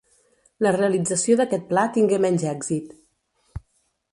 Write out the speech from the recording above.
La realització d'aquest pla tingué menys èxit.